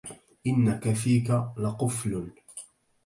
إن كفيك لقفل